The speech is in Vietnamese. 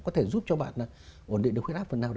có thể giúp cho bạn ổn định được huyết áp